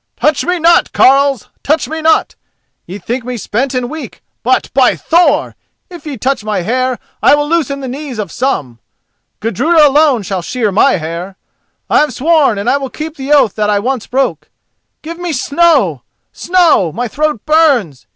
"Touch me not, carles, touch me not; ye think me spent and weak, but, by Thor! if ye touch my hair, I will loosen the knees of some. Gudruda alone shall shear my hair: I have sworn and I will keep the oath that I once broke. Give me snow! snow! my throat burns!